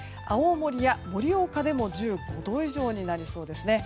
青森や盛岡でも１５度以上になりそうです。